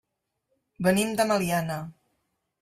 Venim de Meliana.